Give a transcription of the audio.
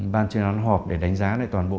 ban chuyên án họp để đánh giá lại toàn bộ